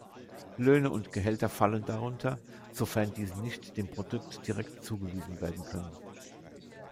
Löhne und Gehälter fallen darunter, sofern diese nicht dem Produkt direkt zugewiesen werden können.